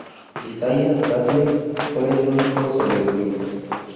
Isaiah Bradley fue el único sobreviviente.